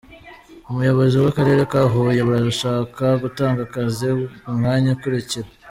Ubuyobozi bw’Akarere ka Huye burashaka gutanga akazi ku myanya ikurikira.